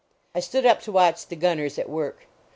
I stood up to watch the gunners at work.